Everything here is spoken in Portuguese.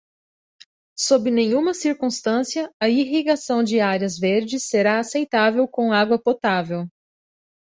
Sob nenhuma circunstância a irrigação de áreas verdes será aceitável com água potável.